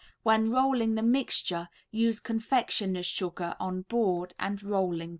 When rolling the mixture use confectioner's sugar on board and rolling pin.